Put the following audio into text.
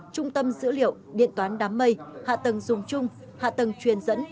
trung tâm dữ liệu điện toán đám mây hạ tầng dùng chung hạ tầng truyền dẫn